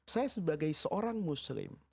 saya sebagai seorang muslim